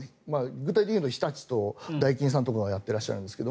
具体的に言うと日立とダイキンさんとかがやっていらっしゃるんですが。